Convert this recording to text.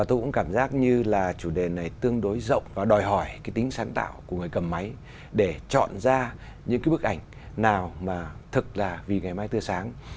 tôi cũng cảm giác như là chủ đề này tương đối rộng và đòi hỏi cái tính sáng tạo của người cầm máy để chọn ra những cái bức ảnh nào mà thực là vì ngày mai tươi sáng